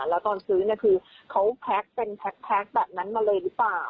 แล้วตอนซื้อเนี่ยคือเขาแพ็คเป็นแพ็คแบบนั้นมาเลยหรือเปล่า